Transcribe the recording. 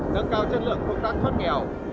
nâng cao chất lượng công tác thoát nghèo